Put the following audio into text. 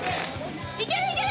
いけるいける！